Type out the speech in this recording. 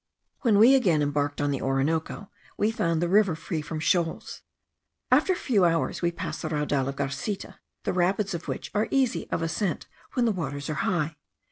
When we again embarked on the Orinoco, we found the river free from shoals. After a few hours we passed the Raudal of Garcita, the rapids of which are easy of ascent, when the waters are high.